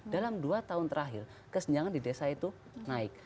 dalam dua tahun terakhir kesenjangan di desa itu naik